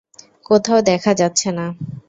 কোথাও দেখা যাচ্ছে না।